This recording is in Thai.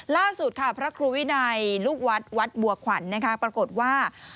ล่าสุดค่ะพระครูวินัยลูกวัดวัดบัวขวัญนะคะปรากฏว่า